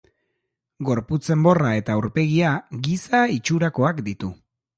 Gorputz-enborra eta aurpegia giza itxurakoak ditu.